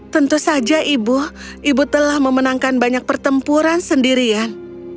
tentu saja ibu ibu telah memenangkan banyak pertempuran sendirian